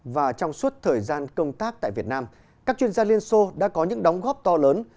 và trong suốt thời gian công tác tại việt nam các chuyên gia liên xô đã có những đóng góp to lớn